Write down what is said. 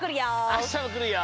あしたもくるよ！